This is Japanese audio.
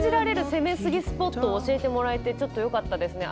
攻めすぎスポットを教えてもらえてちょっとよかったですね。